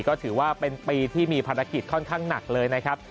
ก็ถือว่าเป็นปีที่มีภารกิจค่อนข้างหนักเลยนะครับ